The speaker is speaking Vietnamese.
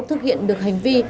thực hiện được hành vi